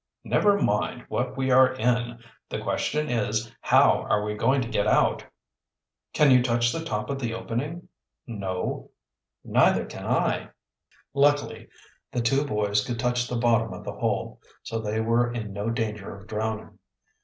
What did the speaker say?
"Never mind what we are in. The question is, how are we to get out?" "Can you touch the top of the opening?" "No." "Neither can I." Luckily the two boys could touch the bottom of the hole, so they were in no danger of drowning.